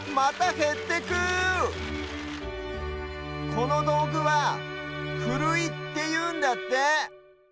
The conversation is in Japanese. このどうぐは「ふるい」っていうんだって。